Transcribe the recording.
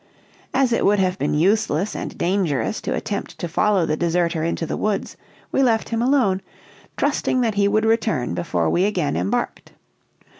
As it would have been useless and dangerous to attempt to follow the deserter into the woods, we left him alone, trusting that he would return before we again embarked.